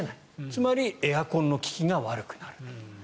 つまり、エアコンの利きが悪くなる。